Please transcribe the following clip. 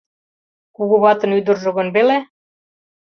Кугу ватын ӱдыржӧ гын веле?